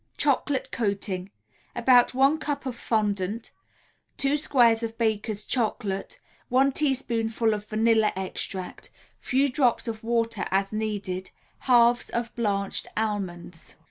CHOCOLATE COATING About 1 cup of fondant, 2 squares of Baker's Chocolate, 1 teaspoonful of vanilla extract, Few drops of water, as needed, Halves of blanched almonds.